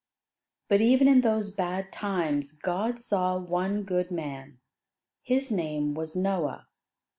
But even in those bad times God saw one good man. His name was Noah.